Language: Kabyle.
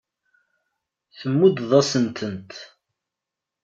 Tmuddeḍ-asent-tent.